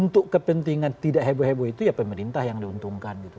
untuk kepentingan tidak heboh heboh itu ya pemerintah yang diuntungkan gitu